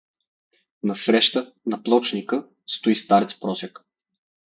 Насреща, на плочника, стои старец просяк.